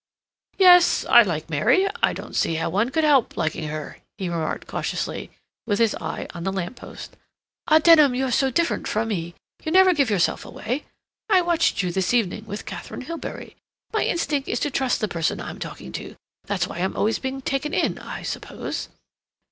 "Yes, I like Mary; I don't see how one could help liking her," he remarked cautiously, with his eye on the lamp post. "Ah, Denham, you're so different from me. You never give yourself away. I watched you this evening with Katharine Hilbery. My instinct is to trust the person I'm talking to. That's why I'm always being taken in, I suppose."